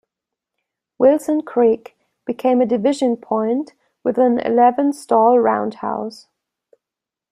Wilson Creek became a division point with an eleven stall roundhouse.